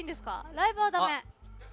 ライブは駄目？